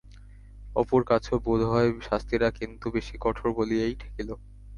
অপুর কাছেও বোধ হয় শাস্তিটা কিন্তু বেশি কঠোর বলিয়াই ঠেকিল।